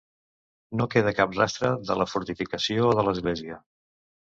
No queda cap rastre de la fortificació o de l'església.